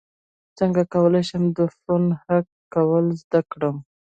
څنګه کولی شم د فون هک کول زده کړم